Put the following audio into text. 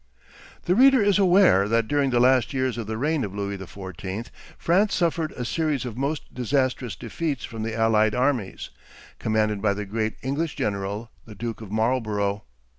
The reader is aware that during the last years of the reign of Louis XIV., France suffered a series of most disastrous defeats from the allied armies, commanded by the great English general, the Duke of Marlborough.